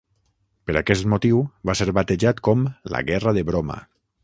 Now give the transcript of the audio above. Per aquest motiu, va ser batejat com la Guerra de broma.